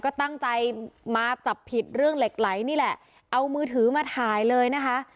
ก็ตั้งใจมาจับผิดเรื่องเหล็กไหลนี่แหละเอามือถือมาถ่ายเลยนะคะ